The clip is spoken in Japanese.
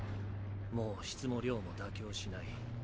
もう質も量も妥協しない。